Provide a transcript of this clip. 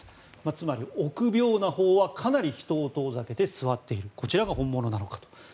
つまり臆病なほうはかなり人を遠ざけて座っているこちらが本物なのかと。